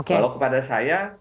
kalau kepada saya